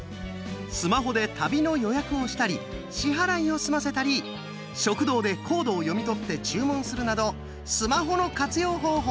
スマホで旅の予約をしたり支払いを済ませたり食堂でコードを読み取って注文するなどスマホの活用方法